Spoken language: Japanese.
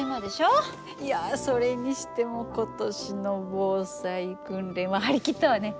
いやそれにしても今年の防災訓練は張り切ったわね。